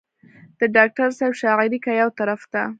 د ډاکټر صېب شاعري کۀ يو طرف ته